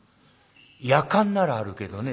やかんならあるけどね」。